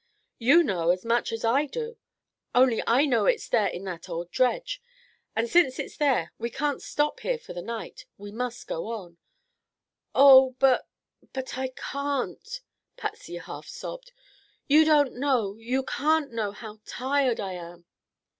"You know as much as I do; only I know it's there in that old dredge. And since it's there, we can't stop here for the night. We must go on." "Oh, but—but I can't!" Patsy half sobbed. "You don't know, you can't know how tired I am."